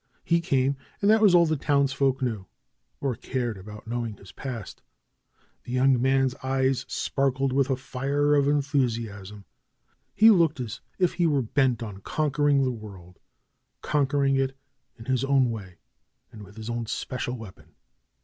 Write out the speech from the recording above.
He came, and that was all the townfolk knew or cared about knowing of his past. The young man's eyes sparkled with the fire of en thusiasm. He looked as if he were bent on conquering the world; conquering it in his own way, and with his own special weapon.